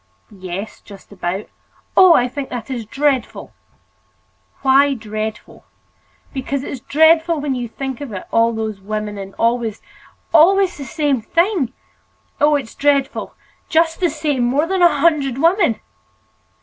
"Yes, just about." "Oh! I think that is dreadful!" "Why dreadful?" "Because it's dreadful when you think of it—all those women—and always—always the same thing. Oh! it's dreadful, just the same—more than a hundred women!"